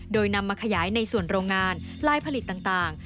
โดยนำมาขยายในส่วนโรงงานลายผลิตต่าง